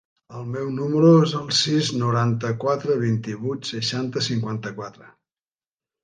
El meu número es el sis, noranta-quatre, vint-i-vuit, seixanta, cinquanta-quatre.